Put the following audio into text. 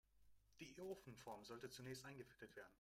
Die Ofenform sollte zunächst eingefettet werden.